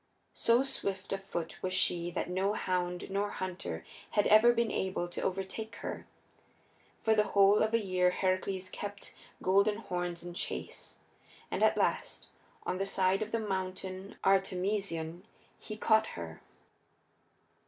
So swift of foot was she that no hound nor hunter had ever been able to overtake her. For the whole of a year Heracles kept Golden Horns in chase, and at last, on the side of the Mountain Artemision, he caught her.